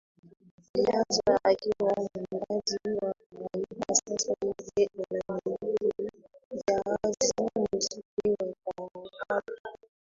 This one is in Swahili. Alianza akiwa mwimbaji wa kawaida sasa hivi anamiliki Jahazi Muziki wa Taarabu